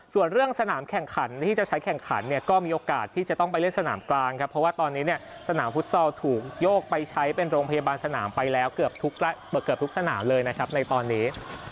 ส่วนเรื่องสนามแข่งขันที่จะใช้แข่งขันเนี่ยก็มีโอกาสที่จะต้องไปเล่นสนามกลางครับเพราะว่าตอนนี้เนี่ยสนามฟุตซอลถูกโยกไปใช้เป็นโรงพยาบาลสนามไปแล้วเกือบทุกสนามเลยนะครับในตอนนี้